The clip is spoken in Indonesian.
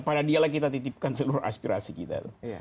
pada dialah kita titipkan seluruh aspirasi kita